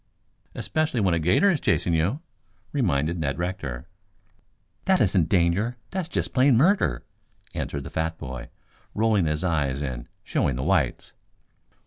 "Especially when a 'gator is chasing you," reminded Ned Rector. "That isn't danger, that's just plain murder," answered the fat boy, rolling his eyes and showing the whites.